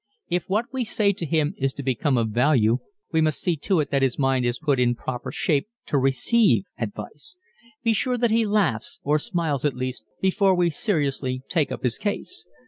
If what we say to him is to become of value we must see to it that his mind is put in proper shape to receive advice. Be sure that he laughs, or smiles at least, before we seriously take up his case.